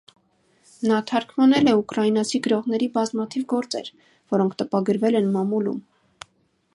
Նա թարգմանել է ուկրաինացի գրողների բազմաթիվ գործեր, որոնք տպագրվել են մամուլում։